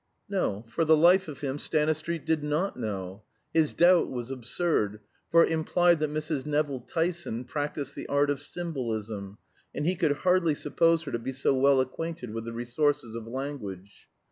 No, for the life of him Stanistreet did not know. His doubt was absurd, for it implied that Mrs. Nevill Tyson practiced the art of symbolism, and he could hardly suppose her to be so well acquainted with the resources of language.